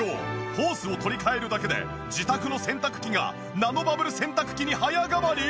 ホースを取り換えるだけで自宅の洗濯機がナノバブル洗濯機に早変わり！？